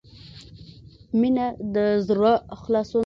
• مینه د زړۀ خلاصون دی.